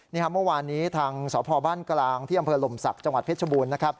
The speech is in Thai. เมื่อวันนี้ทางสพกที่อัมเภอลมสักจเพชรบูรณ์